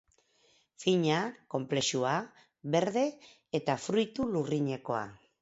Fina, konplexua, berde eta fruitu lurrinekoa...